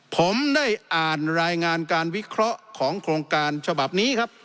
ผมได้อ่านรายงานการวิเคราะห์ของโครงการฉบับนี้ครับ